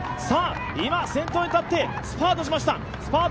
今、先頭に立ってスパートしました